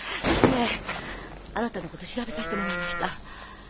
うちねあなたのこと調べさせてもらいました。